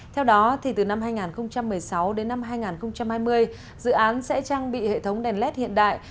theo đó từ năm hai nghìn một mươi sáu đến năm hai nghìn hai mươi dự án sẽ trang bị hệ thống đèn led hiện đại